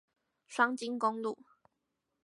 雙菁公路